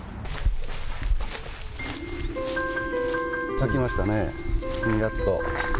咲きましたね、やっと。